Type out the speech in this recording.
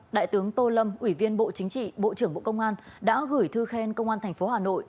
đại tướng tô lâm ủy viên bộ chính trị bộ trưởng bộ công an đã gửi thư khen công an tp hà nội